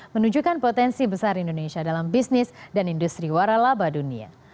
menunjukkan potensi besar indonesia dalam bisnis dan industri waralaba dunia